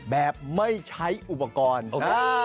แบบไม่ใช้อุปกรณ์